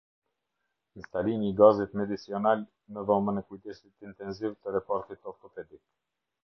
Instalimi i gazit medicional në dhomen e kujdesit intenziv të repartit Ortopedik